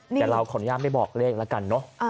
แต่เราขออนุญาตไม่บอกเลขแล้วกันเนอะ